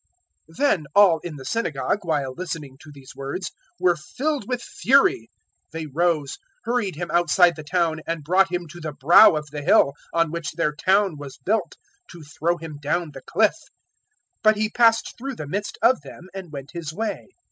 004:028 Then all in the synagogue, while listening to these words, were filled with fury. 004:029 They rose, hurried Him outside the town, and brought Him to the brow of the hill on which their town was built, to throw Him down the cliff; 004:030 but He passed through the midst of them and went His way.